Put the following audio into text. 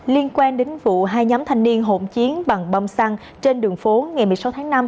liên quan đến vụ hai nhóm thanh niên hộn chiến bằng bom xăng trên đường phố ngày một mươi sáu tháng năm